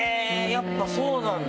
やっぱそうなんだ！